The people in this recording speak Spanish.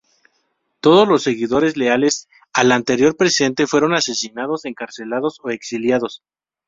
Todos los seguidores leales al anterior presidente fueron asesinados, encarcelados o exiliados.